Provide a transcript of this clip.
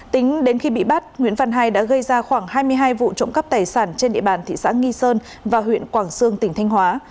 tính đến khi bị bắt nguyễn văn hai đã gây ra khoảng hai mươi hai vụ trộm cắp tài sản trên địa bàn thị xã nghi sơn và huyện quảng sương tỉnh thanh hóa